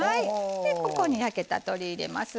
ここに焼けた鶏入れます。